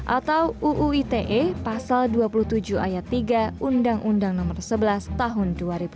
atau uuite pasal dua puluh tujuh ayat tiga undang undang nomor sebelas tahun dua ribu delapan